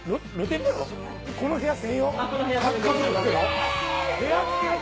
この部屋専用です。